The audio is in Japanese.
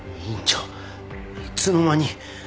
いつの間に。